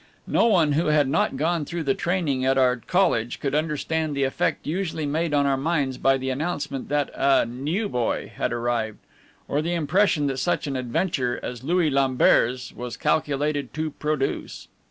No one who had not gone through the training at our college could understand the effect usually made on our minds by the announcement that a "new boy" had arrived, or the impression that such an adventure as Louis Lambert's was calculated to produce.